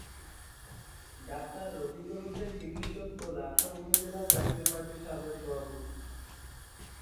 Doctor Rafiqul Hossain চিকিৎসক ও লাকসাম উপজেলা জাতীয় পার্টির সাবেক সভাপতি।